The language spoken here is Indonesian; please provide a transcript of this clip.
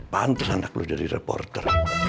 pantes anak lu jadi reporter